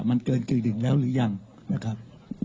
มันเกินกึ่งหนึ่งแล้วหรือยังนะครับ